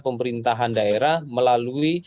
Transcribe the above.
pemerintahan daerah melalui